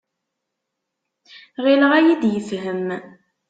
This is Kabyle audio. Ɣileɣ ad iyi-d-yefhem.